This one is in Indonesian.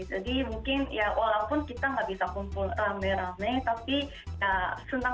jadi mungkin ya walaupun kita tidak bisa kumpul rame rame tapi senang senang saja